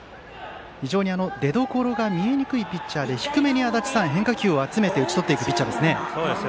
非常に出どころが見えにくいピッチャーで低めに変化球を集めて打ち取っていくピッチャーですね。